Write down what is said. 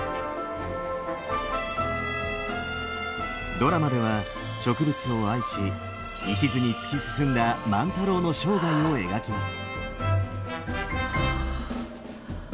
ドラマでは植物を愛し一途に突き進んだ万太郎の生涯を描きます。